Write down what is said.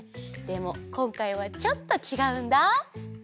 でもこんかいはちょっとちがうんだ！